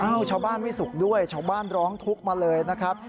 ชาวบ้านไม่สุขด้วยชาวบ้านร้องทุกข์มาเลยนะครับ